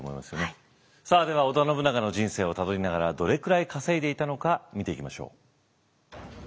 さあでは織田信長の人生をたどりながらどれくらい稼いでいたのか見ていきましょう。